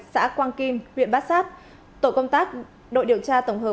xã quang kim huyện bát sát tổ công tác đội điều tra tổng hợp